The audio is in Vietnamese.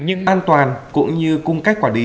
nhưng an toàn cũng như cung cách quả đí